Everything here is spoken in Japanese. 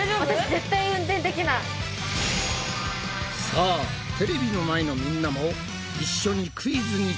さあテレビの前のみんなも一緒にクイズに挑戦だ！